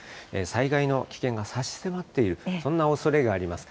災害の危険が差し迫っている、そんなおそれがあります。